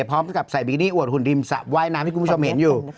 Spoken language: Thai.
พร้อมกับใส่บิดี้อวดหุ่นริมสระว่ายน้ำที่คุณผู้ชมเห็นอยู่